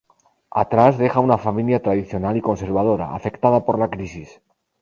Atrás, deja una familia tradicional y conservadora, afectada por la crisis.